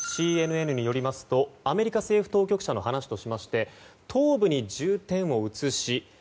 ＣＮＮによりますとアメリカ政府当局者の話としまして東部に重点を移し。